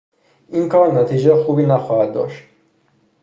این کار نتیجه خوبی نخواهد داشت.